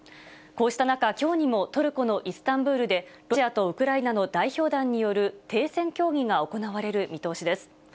こうした中、きょうにもトルコのイスタンブールでロシアとウクライナの代表団による停戦協議が行われる見通しです。